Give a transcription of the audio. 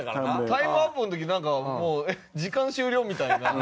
タイムアップの時なんかもう「えっ時間終了？」みたいな。